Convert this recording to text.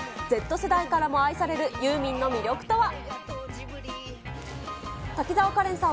Ｚ世代からも愛されるユーミンの魅力とは。